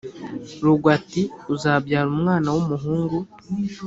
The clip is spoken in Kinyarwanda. Rugwe ati: "Uzabyara umwana w’ umuhungu